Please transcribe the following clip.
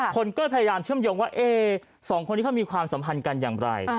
คนก็พยายามเชื่อมโยงว่าสองคนนี้เขามีความสัมพันธ์กันอย่างไร